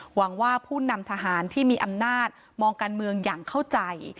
หวังว่าผู้นำทหารที่มีอำนาจมองการเมืองอย่างเข้าใจ